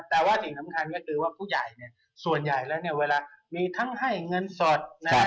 แต่ว่าสิ่งสำคัญก็คือว่าผู้ใหญ่เนี่ยส่วนใหญ่แล้วเนี่ยเวลามีทั้งให้เงินสด